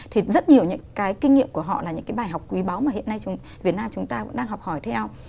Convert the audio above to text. thì rất nhiều những cái kinh nghiệm của họ là những cái bài học quý báu mà hiện nay việt nam chúng ta cũng đang học hỏi theo